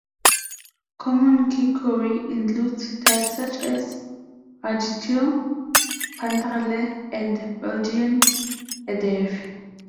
Common chicory includes types such as "radicchio", "puntarelle", and Belgian endive.